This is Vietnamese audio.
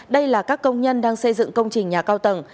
đây là các công nhân đang xây dựng công trình nhà cao tầng